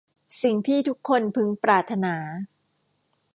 สิ่งที่ทุกคนพึงปรารถนา